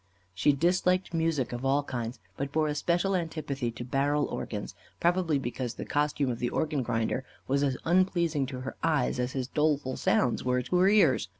She disliked music of all kinds, but bore a special antipathy to barrel organs; probably because the costume of the organ grinder was as unpleasing to her eyes, as his doleful sounds were to her ears.